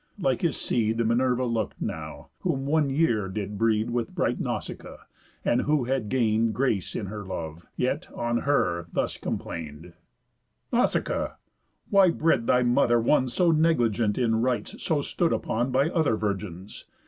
Like his seed Minerva look'd now; whom one year did breed With bright Nausicaa, and who had gain'd Grace in her love, yet on her thus complain'd: "Nausicaa! Why bred thy mother one So negligent in rites so stood upon By other virgins?